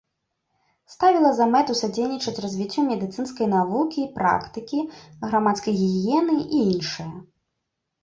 Ставіла за мэту садзейнічаць развіццю медыцынскай навукі і практыкі, грамадскай гігіены і іншае.